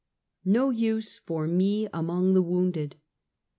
NO USE rOK ME AMONG THE WOUNDED.